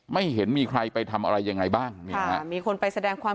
ไม่เห็นมีใครไปทำอะไรยังไงบ้างนี่ฮะมีคนไปแสดงความ